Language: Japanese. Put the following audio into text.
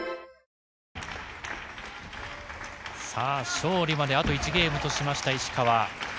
勝利まであと１ゲームとしました石川。